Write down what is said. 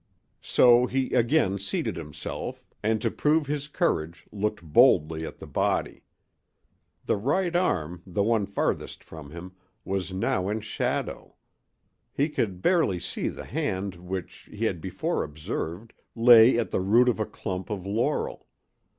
So he again seated himself, and to prove his courage looked boldly at the body. The right arm—the one farthest from him—was now in shadow. He could barely see the hand which, he had before observed, lay at the root of a clump of laurel.